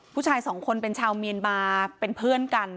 ผู้ชายสองคนเป็นชาวเมียนมาเป็นเพื่อนกัน